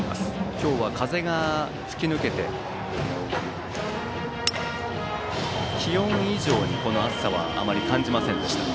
今日は風が吹き抜けて気温以上に、この暑さはあまり感じませんでした。